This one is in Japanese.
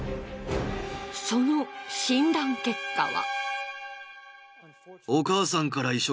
その診断結果は。